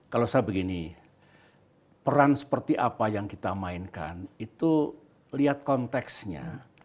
kalau saya begini peran seperti apa yang kita mainkan itu lihat konteksnya